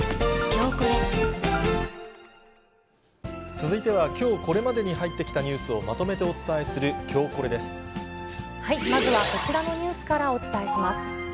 続いては、きょうこれまでに入ってきたニュースをまとめてお伝えするきょうまずはこちらのニュースからお伝えします。